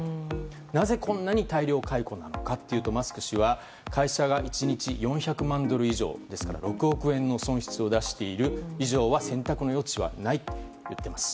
なぜこんなに大量解雇なのかというとマスク氏は会社が１日４００万ドル以上６億円の損失を出している以上は選択の余地はないと言っています。